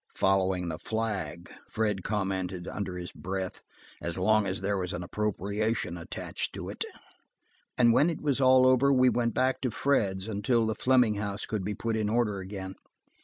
"Following the flag," Fred commented under his breath, "as long as there was an appropriation attached to it." And when it was all over, we went back to Fred's until the Fleming house could be put into order again.